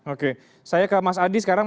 oke saya ke mas adi sekarang